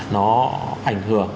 nó ảnh hưởng